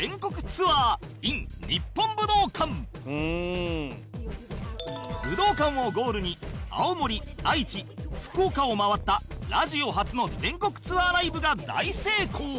ツアー ｉｎ 日本武道館武道館をゴールに青森愛知福岡を回ったラジオ初の全国ツアーライブが大成功